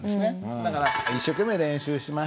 だから「一生懸命練習しました。